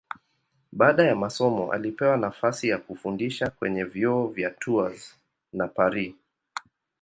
Baada ya masomo alipewa nafasi ya kufundisha kwenye vyuo vya Tours na Paris.